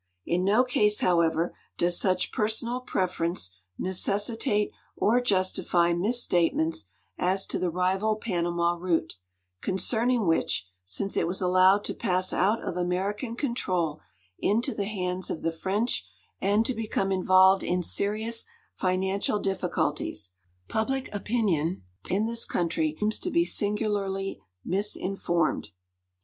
In no case, however, does such personal preference necessitate or justify misstatements as to the rival Panama route, concerning which, since it was allowed to pass out of American control into the hands of the French and to become involved in serious financial difficulties, imblic opinion in this country seems to be singularly misinformed.